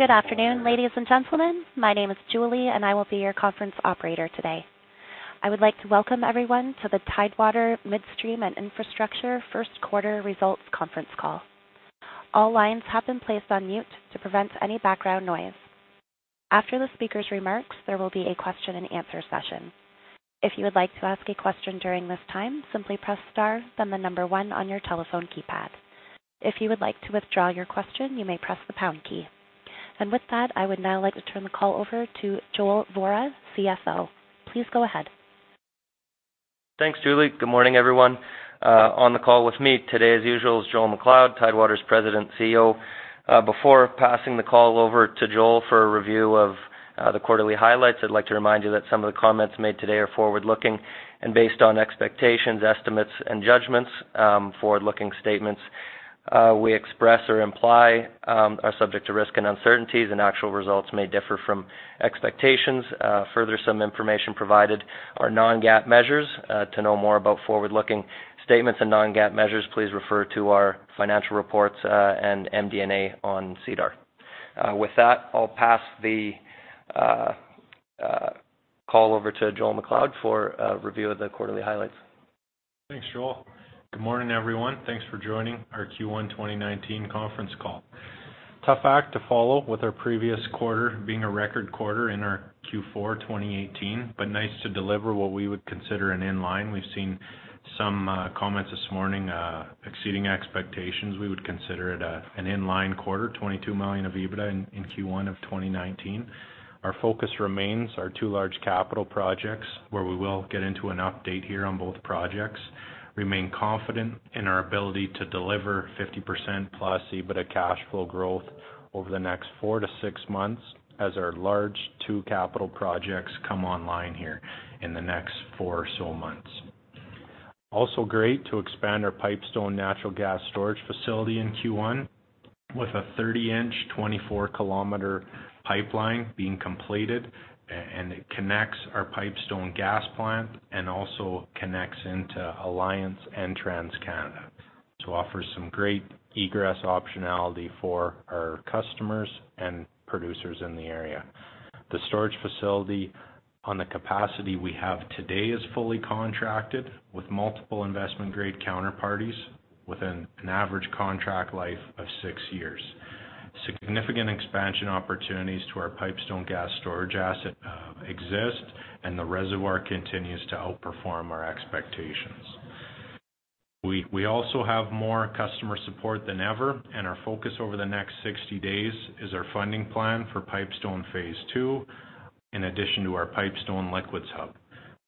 Good afternoon, ladies and gentlemen. My name is Julie, and I will be your conference operator today. I would like to welcome everyone to the Tidewater Midstream and Infrastructure First Quarter Results Conference Call. All lines have been placed on mute to prevent any background noise. After the speaker's remarks, there will be a question and answer session. If you would like to ask a question during this time, simply press star, then the number one on your telephone keypad. If you would like to withdraw your question, you may press the pound key. With that, I would now like to turn the call over to Joel Vohra, CFO. Please go ahead. Thanks, Julie. Good morning, everyone. On the call with me today, as usual, is Joel MacLeod, Tidewater's President and CEO. Before passing the call over to Joel for a review of the quarterly highlights, I'd like to remind you that some of the comments made today are forward-looking and based on expectations, estimates, and judgments. Forward-looking statements we express or imply are subject to risk and uncertainties, and actual results may differ from expectations. Further, some information provided are non-GAAP measures. To know more about forward-looking statements and non-GAAP measures, please refer to our financial reports, and MD&A on SEDAR. With that, I'll pass the call over to Joel MacLeod for a review of the quarterly highlights. Thanks, Joel. Good morning, everyone. Thanks for joining our Q1 2019 conference call. Tough act to follow with our previous quarter being a record quarter in our Q4 2018. Nice to deliver what we would consider an in-line. We've seen some comments this morning exceeding expectations. We would consider it an in-line quarter, 22 million of EBITDA in Q1 of 2019. Our focus remains our two large capital projects, where we will get into an update here on both projects, remain confident in our ability to deliver 50% plus EBITDA cash flow growth over the next four to six months as our large two capital projects come online here in the next four or so months. Also great to expand our Pipestone Gas Storage Facility in Q1 with a 30-inch, 24-kilometer pipeline being completed. It connects our Pipestone gas plant and also connects into Alliance and TransCanada to offer some great egress optionality for our customers and producers in the area. The storage facility on the capacity we have today is fully contracted with multiple investment-grade counterparties within an average contract life of six years. Significant expansion opportunities to our Pipestone gas storage asset exist. The reservoir continues to outperform our expectations. We also have more customer support than ever. Our focus over the next 60 days is our funding plan for Pipestone phase 2, in addition to our Pipestone liquids hub.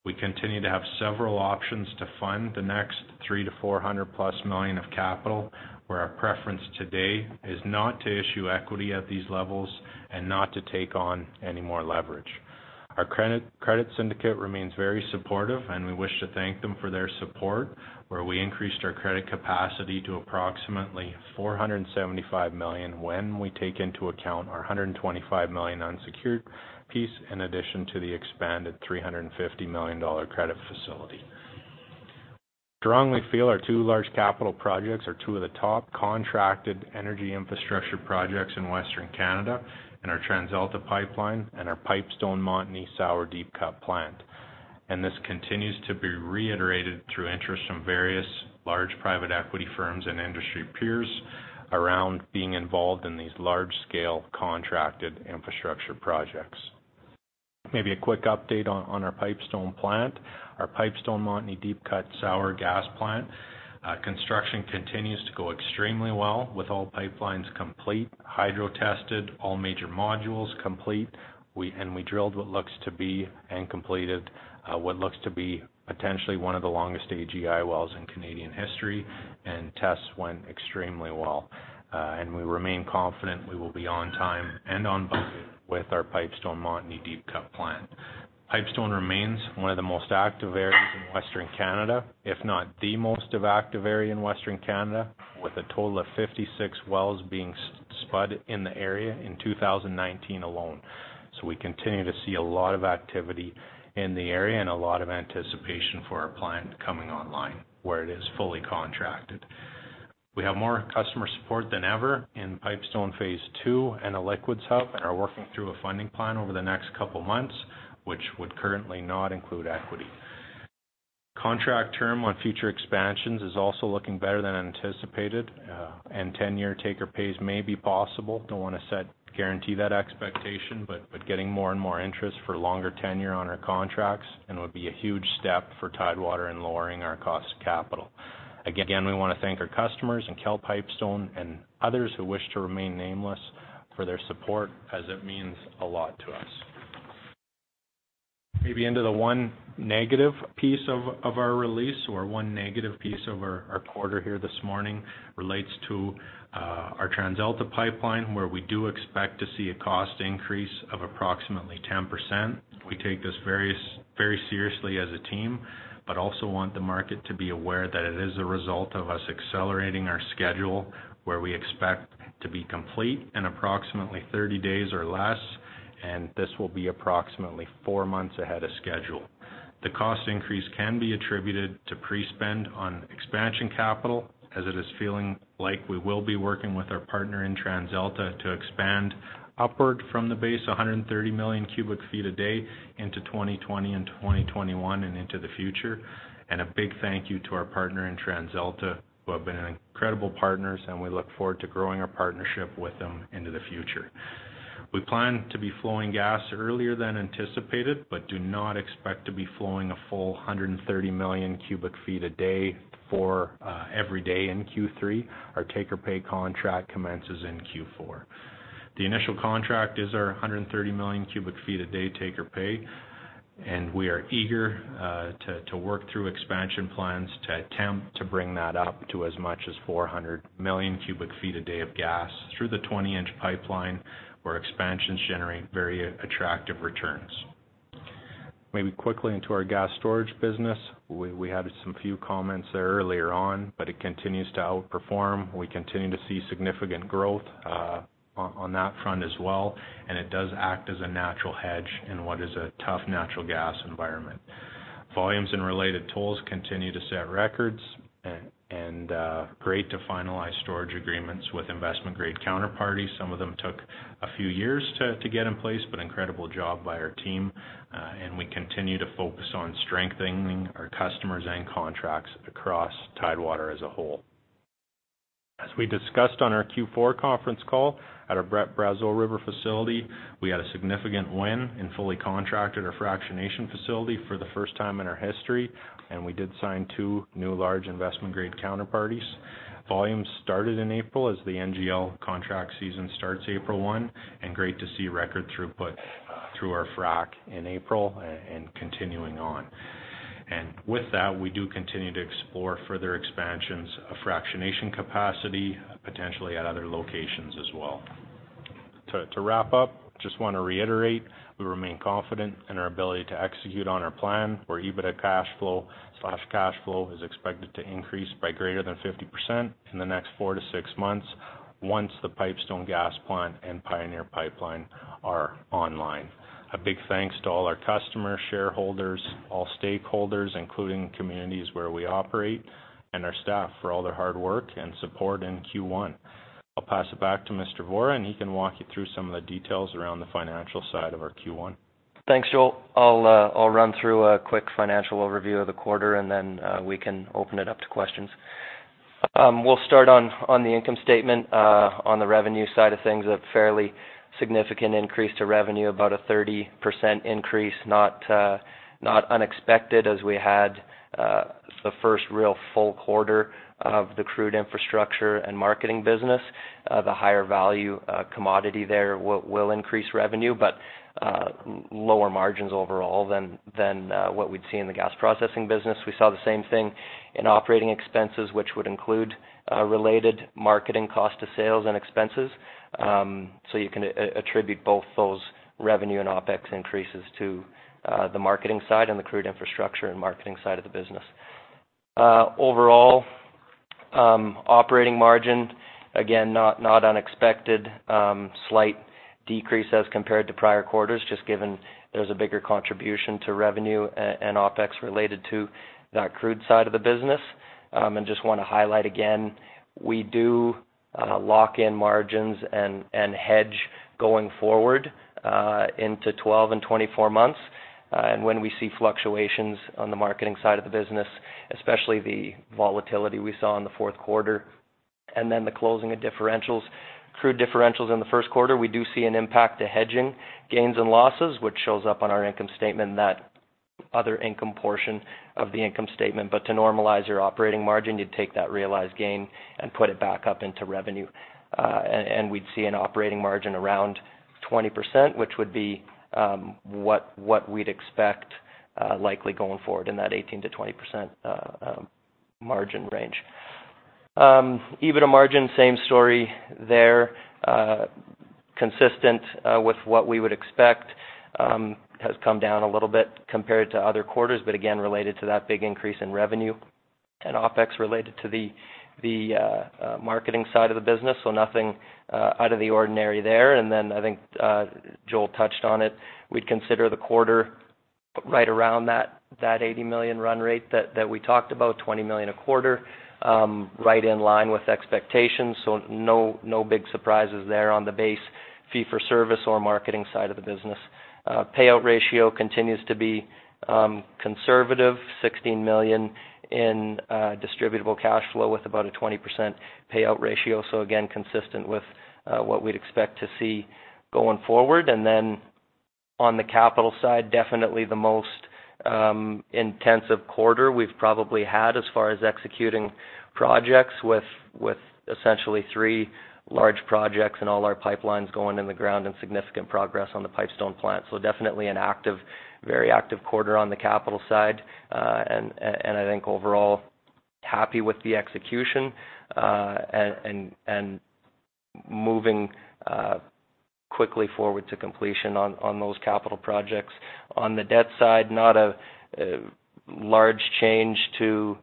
We continue to have several options to fund the next three to 400-plus million of capital, where our preference today is not to issue equity at these levels and not to take on any more leverage. Our credit syndicate remains very supportive, and we wish to thank them for their support, where we increased our credit capacity to approximately 475 million when we take into account our 125 million unsecured piece in addition to the expanded 350 million dollar credit facility. We strongly feel our two large capital projects are two of the top contracted energy infrastructure projects in Western Canada and our TransAlta pipeline and our Pipestone Montney sour deep cut plant. This continues to be reiterated through interest from various large private equity firms and industry peers around being involved in these large-scale contracted infrastructure projects. Maybe a quick update on our Pipestone plant. Our Pipestone Montney deep cut sour gas plant construction continues to go extremely well with all pipelines complete, hydro-tested, all major modules complete. We drilled what looks to be, and completed, what looks to be potentially one of the longest AGI wells in Canadian history, and tests went extremely well. We remain confident we will be on time and on budget with our Pipestone Montney deep cut plant. Pipestone remains one of the most active areas in Western Canada, if not the most active area in Western Canada, with a total of 56 wells being spudded in the area in 2019 alone. We continue to see a lot of activity in the area and a lot of anticipation for our plant coming online, where it is fully contracted. We have more customer support than ever in Pipestone phase 2 and the liquids hub and are working through a funding plan over the next couple of months, which would currently not include equity. Contract term on future expansions is also looking better than anticipated. 10-year take-or-pays may be possible. Don't want to set guarantee that expectation, but getting more and more interest for longer tenure on our contracts and it would be a huge step for Tidewater in lowering our cost of capital. Again, we want to thank our customers and Cal Pipestone and others who wish to remain nameless for their support as it means a lot to us. Maybe into the one negative piece of our release or one negative piece of our quarter here this morning relates to our TransAlta pipeline, where we do expect to see a cost increase of approximately 10%. We take this very seriously as a team, but also want the market to be aware that it is a result of us accelerating our schedule, where we expect to be complete in approximately 30 days or less. This will be approximately four months ahead of schedule. The cost increase can be attributed to pre-spend on expansion capital, as it is feeling like we will be working with our partner in TransAlta to expand upward from the base 130 million cubic feet a day into 2020 and 2021 and into the future. A big thank you to our partner in TransAlta, who have been incredible partners, and we look forward to growing our partnership with them into the future. We plan to be flowing gas earlier than anticipated, but do not expect to be flowing a full 130 million cubic feet a day for every day in Q3. Our take-or-pay contract commences in Q4. We are eager to work through expansion plans to attempt to bring that up to as much as 400 million cubic feet a day of gas through the 20-inch pipeline, where expansions generate very attractive returns. Moving quickly into our gas storage business. We had some few comments there earlier on, but it continues to outperform. We continue to see significant growth on that front as well, and it does act as a natural hedge in what is a tough natural gas environment. Volumes and related tolls continue to set records. Great to finalize storage agreements with investment-grade counterparties. Some of them took a few years to get in place, but incredible job by our team. We continue to focus on strengthening our customers and contracts across Tidewater as a whole. As we discussed on our Q4 conference call at our Brazeau River facility, we had a significant win and fully contracted our fractionation facility for the first time in our history. We did sign two new large investment-grade counterparties. Volumes started in April as the NGL contract season starts April 1. Great to see record throughput through our frac in April and continuing on. With that, we do continue to explore further expansions of fractionation capacity, potentially at other locations as well. To wrap up, just want to reiterate, we remain confident in our ability to execute on our plan, where EBITDA cash flow/cash flow is expected to increase by greater than 50% in the next four to six months once the Pipestone gas plant and Pioneer Pipeline are online. A big thanks to all our customers, shareholders, all stakeholders, including communities where we operate. Our staff for all their hard work and support in Q1. I'll pass it back to Mr. Vohra, and he can walk you through some of the details around the financial side of our Q1. Thanks, Joel. I'll run through a quick financial overview of the quarter. Then we can open it up to questions. We'll start on the income statement. On the revenue side of things, a fairly significant increase to revenue, about a 30% increase, not unexpected as we had the first real full quarter of the crude infrastructure and marketing business. The higher value commodity there will increase revenue, but lower margins overall than what we'd see in the gas processing business. We saw the same thing in operating expenses, which would include related marketing cost of sales and expenses. You can attribute both those revenue and OpEx increases to the marketing side and the crude infrastructure and marketing side of the business. Overall, operating margin, again, not unexpected. Slight decrease as compared to prior quarters, given there's a bigger contribution to revenue and OpEx related to that crude side of the business. Want to highlight again, we do lock in margins and hedge going forward into 12 and 24 months. When we see fluctuations on the marketing side of the business, especially the volatility we saw in the fourth quarter and the closing of differentials, crude differentials in the first quarter, we do see an impact to hedging gains and losses, which shows up on our income statement in that other income portion of the income statement. To normalize your operating margin, you'd take that realized gain and put it back up into revenue. We'd see an operating margin around 20%, which would be what we'd expect likely going forward in that 18%-20% margin range. EBITDA margin, same story there. Consistent with what we would expect. Has come down a little bit compared to other quarters, but again, related to that big increase in revenue and OpEx related to the marketing side of the business. Nothing out of the ordinary there. Then I think Joel touched on it. We'd consider the quarter right around that 80 million run rate that we talked about, 20 million a quarter, right in line with expectations. No big surprises there on the base fee for service or marketing side of the business. Payout ratio continues to be conservative, 16 million in distributable cash flow with about a 20% payout ratio. Again, consistent with what we'd expect to see going forward. Then on the capital side, definitely the most intensive quarter we've probably had as far as executing projects with essentially three large projects and all our pipelines going in the ground and significant progress on the Pipestone plant. Definitely a very active quarter on the capital side. I think overall, happy with the execution, and moving quickly forward to completion on those capital projects. On the debt side, not a large change to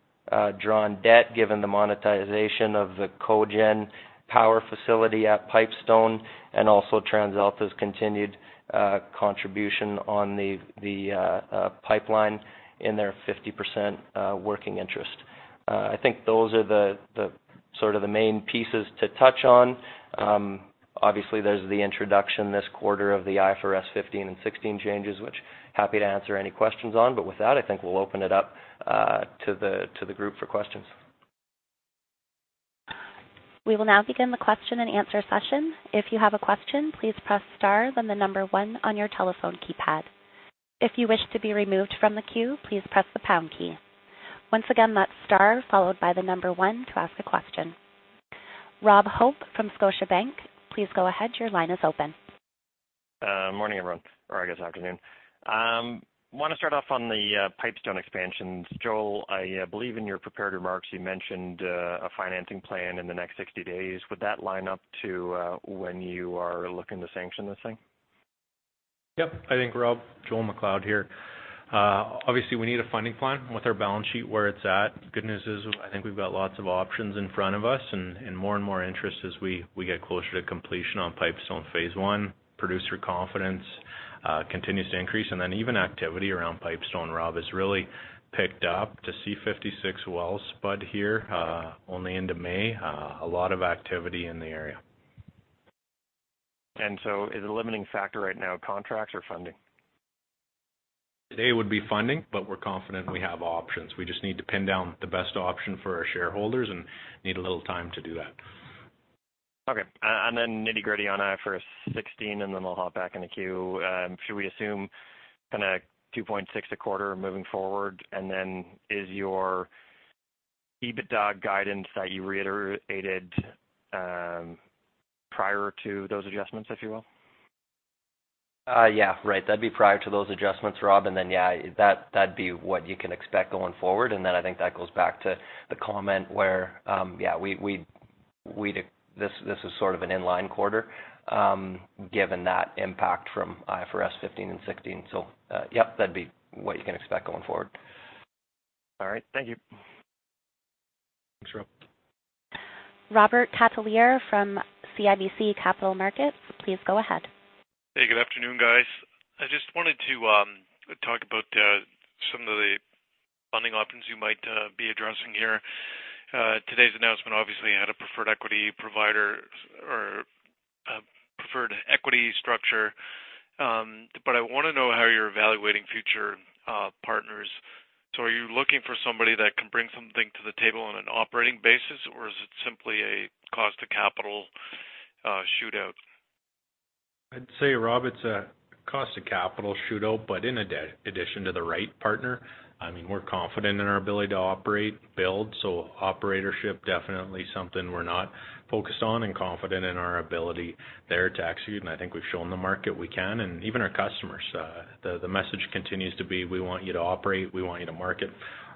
drawn debt, given the monetization of the cogeneration power facility at Pipestone, and also TransAlta's continued contribution on the pipeline in their 50% working interest. I think those are sort of the main pieces to touch on. Obviously, there's the introduction this quarter of the IFRS 15 and 16 changes, which happy to answer any questions on. With that, I think we'll open it up to the group for questions. We will now begin the question and answer session. If you have a question, please press star, then the number 1 on your telephone keypad. If you wish to be removed from the queue, please press the pound key. Once again, that's star followed by the number 1 to ask a question. Robert Hope from Scotiabank, please go ahead. Your line is open. Morning, everyone. Or I guess afternoon. I want to start off on the Pipestone expansions. Joel, I believe in your prepared remarks, you mentioned a financing plan in the next 60 days. Would that line up to when you are looking to sanction this thing? Yep. Hey, Rob. Joel MacLeod here. Obviously we need a funding plan with our balance sheet where it's at. Good news is, I think we've got lots of options in front of us and more and more interest as we get closer to completion on Pipestone phase one. Producer confidence continues to increase, and then even activity around Pipestone, Rob, has really picked up. To see 56 wells spud here, only end of May, a lot of activity in the area. Is the limiting factor right now contracts or funding? Today would be funding, but we're confident we have options. We just need to pin down the best option for our shareholders and need a little time to do that. Okay. Nitty-gritty on IFRS 16, we'll hop back in the queue. Should we assume kind of 2.6 a quarter moving forward? Is your EBITDA guidance that you reiterated prior to those adjustments, if you will? That'd be prior to those adjustments, Rob. That'd be what you can expect going forward. I think that goes back to the comment where this is sort of an inline quarter, given that impact from IFRS 15 and 16. That'd be what you can expect going forward. All right. Thank you. Thanks, Rob. Robert Catellier from CIBC Capital Markets, please go ahead. Hey, good afternoon, guys. I just wanted to talk about some of the funding options you might be addressing here. Today's announcement obviously had a preferred equity provider or a preferred equity structure. I want to know how you're evaluating future partners. Are you looking for somebody that can bring something to the table on an operating basis, or is it simply a cost to capital shootout? I'd say, Rob, it's a cost of capital shootout, in addition to the right partner. We're confident in our ability to operate, build. Operatorship definitely something we're not focused on, and confident in our ability there to execute, and I think we've shown the market we can. Even our customers. The message continues to be, we want you to operate, we want you to market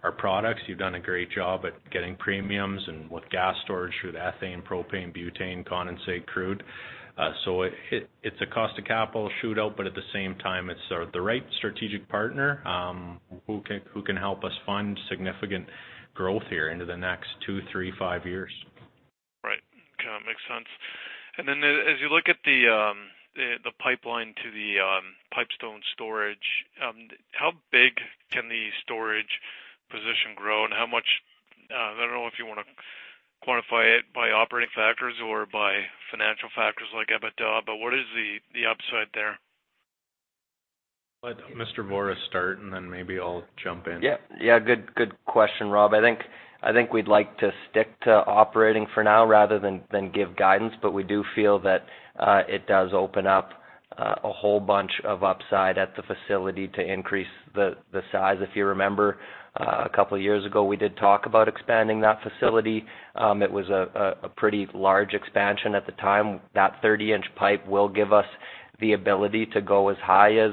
our products. You've done a great job at getting premiums and with gas storage through the ethane, propane, butane, condensate, crude. It's a cost of capital shootout, but at the same time, it's the right strategic partner who can help us fund significant growth here into the next two, three, five years. Right. Makes sense. As you look at the pipeline to the Pipestone storage, how big can the storage position grow, and how much I don't know if you want to quantify it by operating factors or by financial factors like EBITDA, but what is the upside there? I'll let Mr. Vohra start, then maybe I'll jump in. Good question, Rob Hope. I think we'd like to stick to operating for now rather than give guidance. We do feel that it does open up a whole bunch of upside at the facility to increase the size. If you remember, a couple of years ago, we did talk about expanding that facility. It was a pretty large expansion at the time. That 30-inch pipe will give us the ability to go as high as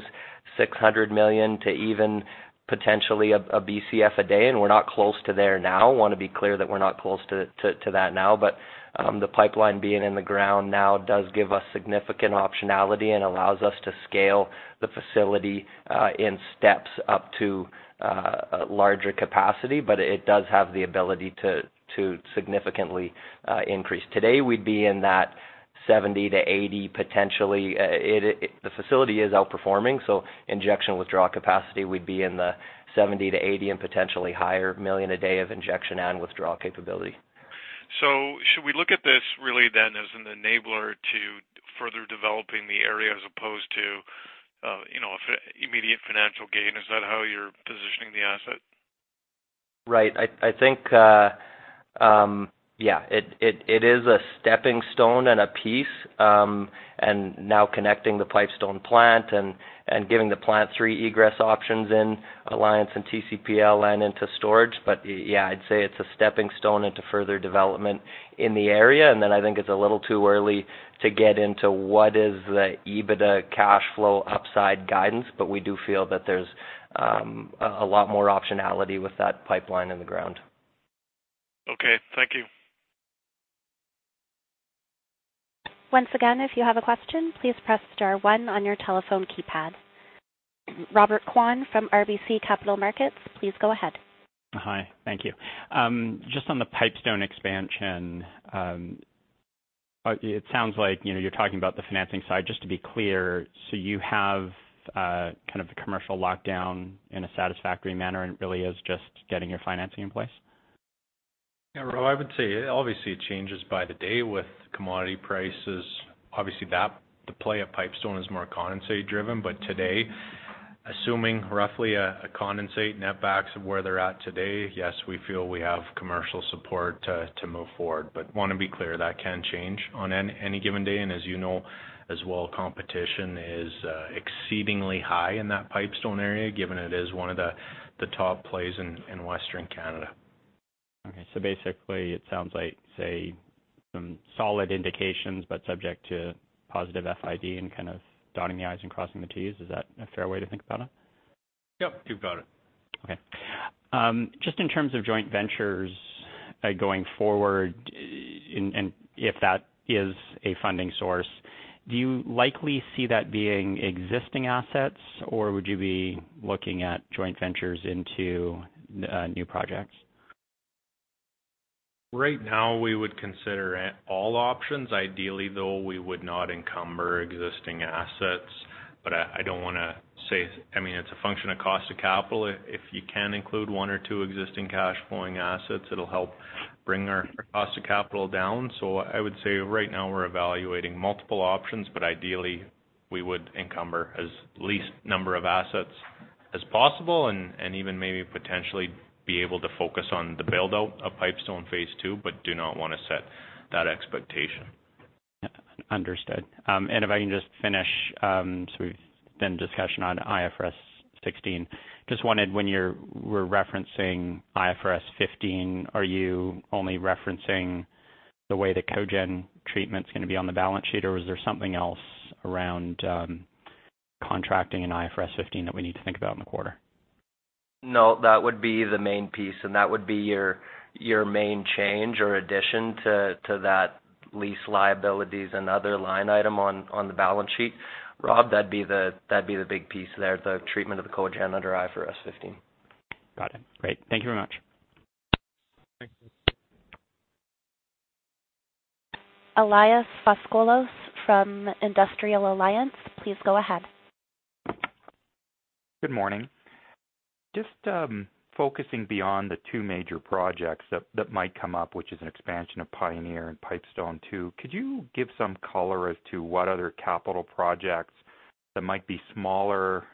600 million to even potentially a BCF a day. We're not close to there now. Want to be clear that we're not close to that now. The pipeline being in the ground now does give us significant optionality and allows us to scale the facility in steps up to larger capacity. It does have the ability to significantly increase. Today we'd be in that 70 to 80 potentially. The facility is outperforming, injection withdrawal capacity would be in the 70 to 80 and potentially higher million a day of injection and withdrawal capability. Should we look at this really then as an enabler to further developing the area as opposed to immediate financial gain? Is that how you're positioning the asset? Right. I think, yeah. It is a stepping stone and a piece. Now connecting the Pipestone plant and giving the plant three egress options in Alliance and TCPL and into storage. Yeah, I'd say it's a stepping stone into further development in the area. I think it's a little too early to get into what is the EBITDA cash flow upside guidance, but we do feel that there's a lot more optionality with that pipeline in the ground. Okay. Thank you. Once again, if you have a question, please press star one on your telephone keypad. Robert Kwan from RBC Capital Markets, please go ahead. Hi. Thank you. Just on the Pipestone expansion. It sounds like you're talking about the financing side, just to be clear. You have a commercial lockdown in a satisfactory manner, and it really is just getting your financing in place? Yeah, Rob, I would say, obviously it changes by the day with commodity prices. Obviously, the play at Pipestone is more condensate driven, today, assuming roughly a condensate net backs of where they're at today, yes, we feel we have commercial support to move forward. Want to be clear, that can change on any given day, and as you know as well, competition is exceedingly high in that Pipestone area, given it is one of the top plays in Western Canada. Okay. Basically, it sounds like, say, some solid indications, but subject to positive FID and kind of dotting the I's and crossing the T's. Is that a fair way to think about it? Yep. You've got it. Okay. Just in terms of joint ventures going forward, if that is a funding source, do you likely see that being existing assets, or would you be looking at joint ventures into new projects? Right now, we would consider all options. Ideally, though, we would not encumber existing assets, but it's a function of cost of capital. If you can include one or two existing cash flowing assets, it'll help bring our cost of capital down. I would say right now we're evaluating multiple options, but ideally, we would encumber as least number of assets as possible and even maybe potentially be able to focus on the build-out of Pipestone phase 2, but do not want to set that expectation. Understood. If I can just finish, we've been in discussion on IFRS 16. Just wondered when you were referencing IFRS 15, are you only referencing the way the cogeneration treatment's going to be on the balance sheet, or was there something else around contracting and IFRS 15 that we need to think about in the quarter? No, that would be the main piece, that would be your main change or addition to that lease liabilities and other line item on the balance sheet. Rob, that'd be the big piece there, the treatment of the cogeneration under IFRS 15. Got it. Great. Thank you very much. Thanks. Elias Sepsakos from Industrial Alliance, please go ahead. Good morning. Focusing beyond the two major projects that might come up, which is an expansion of Pioneer and Pipestone too. Could you give some color as to what other capital projects that might be smaller,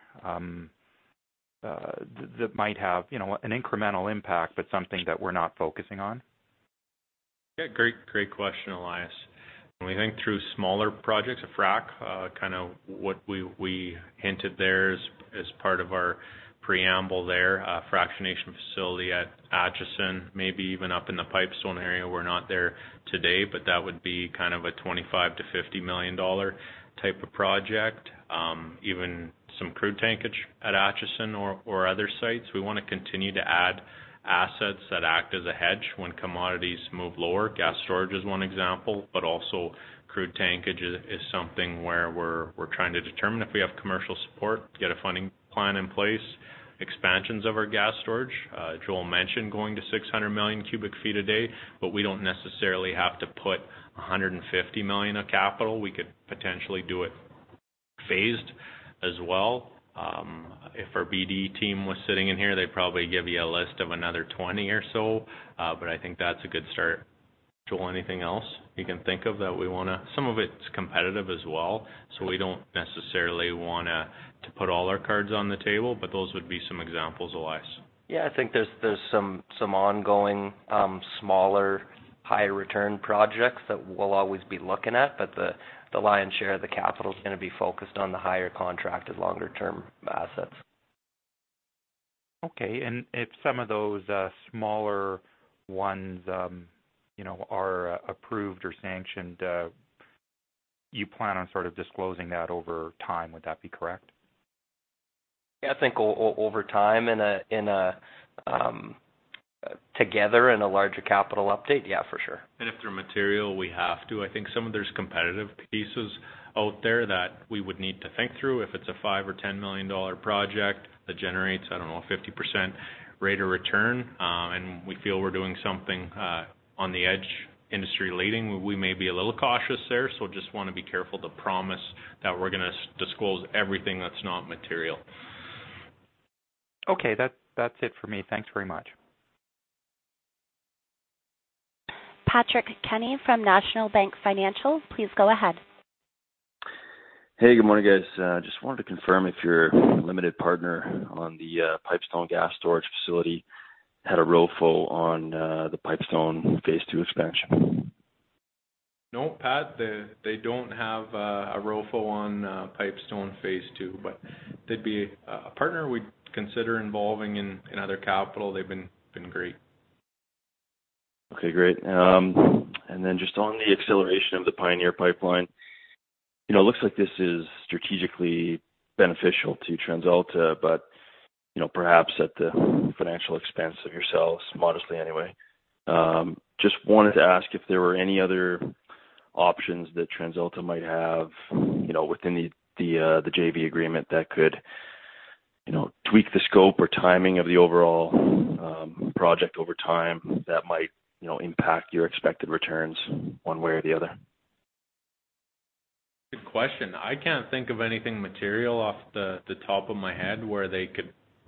that might have an incremental impact, but something that we're not focusing on? Great question, Elias Sepsakos. When we think through smaller projects, a frack, kind of what we hinted there as part of our preamble there, a fractionation facility at Acheson, maybe even up in the Pipestone area. We're not there today, that would be kind of a 25 million-50 million dollar type of project. Even some crude tankage at Acheson or other sites. We want to continue to add assets that act as a hedge when commodities move lower. Gas storage is one example, also crude tankage is something where we're trying to determine if we have commercial support to get a funding plan in place. Expansions of our gas storage. Joel mentioned going to 600 million cubic feet a day, we don't necessarily have to put 150 million of capital. We could potentially do it phased as well. If our BD team was sitting in here, they'd probably give you a list of another 20 or so, I think that's a good start. Joel, anything else you can think of that we want to-- Some of it's competitive as well, we don't necessarily want to put all our cards on the table, those would be some examples, Elias Sepsakos. Yeah, I think there's some ongoing, smaller, high return projects that we'll always be looking at. The lion's share of the capital is going to be focused on the higher contracted longer-term assets. Okay. If some of those smaller ones are approved or sanctioned, do you plan on sort of disclosing that over time? Would that be correct? Yeah, I think over time and together in a larger capital update. Yeah, for sure. If they're material, we have to. I think some of there's competitive pieces out there that we would need to think through. If it's a 5 million or 10 million dollar project that generates, I don't know, a 50% rate of return, and we feel we're doing something on the edge, industry leading, we may be a little cautious there. Just want to be careful to promise that we're going to disclose everything that's not material. Okay. That's it for me. Thanks very much. Patrick Kenny from National Bank Financial, please go ahead. Hey, good morning, guys. Just wanted to confirm if your limited partner on the Pipestone Gas Storage Facility had a ROFO on the Pipestone phase two expansion. No, Pat, they don't have a ROFO on Pipestone phase two, but they'd be a partner we'd consider involving in other capital. They've been great. Okay, great. Just on the acceleration of the Pioneer Pipeline, it looks like this is strategically beneficial to TransAlta, but perhaps at the financial expense of yourselves, modestly anyway. Just wanted to ask if there were any other options that TransAlta might have, within the JV agreement that could tweak the scope or timing of the overall project over time that might impact your expected returns one way or the other. Good question. I can't think of anything material off the top of my head where they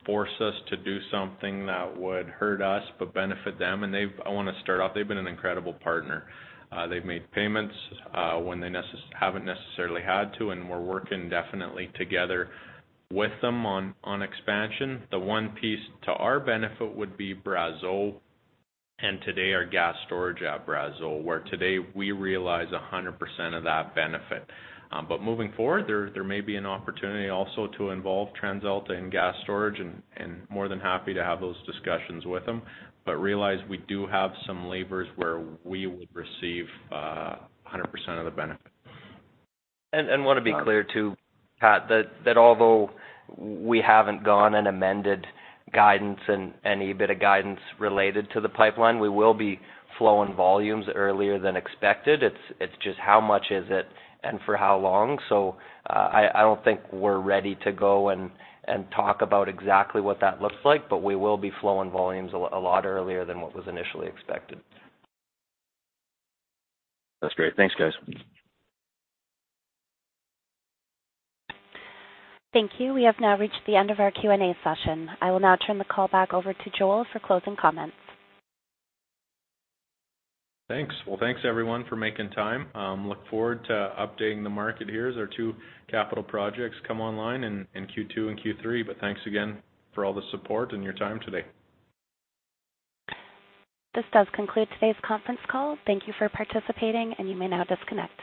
could force us to do something that would hurt us but benefit them. I want to start off, they've been an incredible partner. They've made payments when they haven't necessarily had to, and we're working definitely together with them on expansion. The one piece to our benefit would be Brazeau, and today our gas storage at Brazeau, where today we realize 100% of that benefit. Moving forward, there may be an opportunity also to involve TransAlta in gas storage, and more than happy to have those discussions with them. Realize we do have some levers where we would receive 100% of the benefit. Want to be clear too, Pat, that although we haven't gone and amended guidance and any bit of guidance related to the pipeline, we will be flowing volumes earlier than expected. It's just how much is it and for how long. I don't think we're ready to go and talk about exactly what that looks like, but we will be flowing volumes a lot earlier than what was initially expected. That's great. Thanks, guys. Thank you. We have now reached the end of our Q&A session. I will now turn the call back over to Joel for closing comments. Thanks. Well, thanks everyone for making time. Look forward to updating the market here as our two capital projects come online in Q2 and Q3. Thanks again for all the support and your time today. This does conclude today's conference call. Thank you for participating, and you may now disconnect.